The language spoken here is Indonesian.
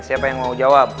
siapa yang mau jawab